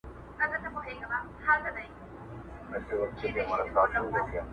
ملنګه ! تور د سترګو وایه څرنګه سپینېږي -